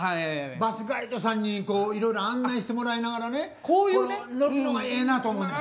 バスガイドさんにこういろいろ案内してもらいながらね乗るのがええなと思うねん。